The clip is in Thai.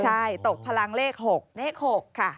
ใช่ตกผลังเลข๖